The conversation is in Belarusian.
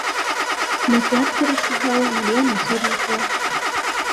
Наклад перасягаў мільён асобнікаў.